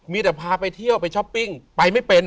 มีแต่พาไปเที่ยวไปช้อปปิ้งไปไม่เป็น